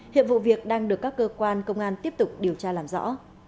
hiện vụ việc đang được các cơ quan công an tiếp tục điều tra làm rõ